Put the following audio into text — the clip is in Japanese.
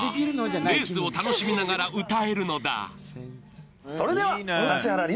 レースを楽しみながら歌えるのだ。